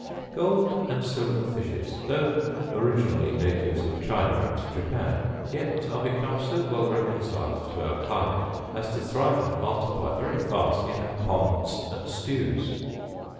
Gold and silver fishes, though originally natives of China and Japan, yet are become so well reconciled to our climate as to thrive and multiply very fast in our ponds and stews.